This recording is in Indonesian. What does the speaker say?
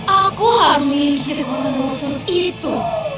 aku harus mengizinkan monster itu